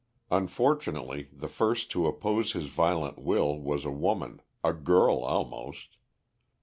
Unfortunately, the first to oppose his violent will was a woman a girl almost.